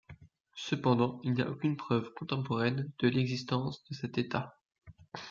Cependant, il n'y a aucune preuve contemporaine de l'existence de cet état.